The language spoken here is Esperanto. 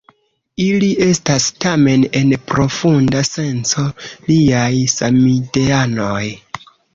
Ili estas, tamen, en profunda senco niaj samideanoj.